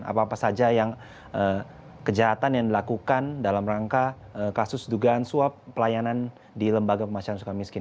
apa saja yang kejahatan yang dilakukan dalam rangka kasus dugaan suap pelayanan di lembaga pemasyahan sukamiskin